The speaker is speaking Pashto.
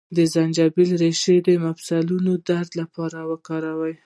د زنجبیل ریښه د مفصلونو د درد لپاره وکاروئ